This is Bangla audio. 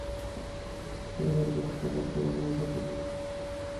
ওদের পুত্রদেরকে সে হত্যা করত এবং নারীদেরকে জীবিত থাকতে দিত।